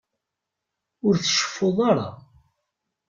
Ur tceffuḍ ara.